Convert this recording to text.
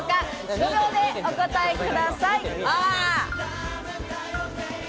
５秒でお答えください。